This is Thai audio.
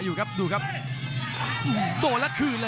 ยังไงยังไง